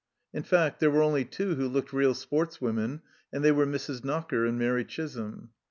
In fact, there were only two who looked real sportswomen, and they were Mrs. Knocker and Mairi Chisholm.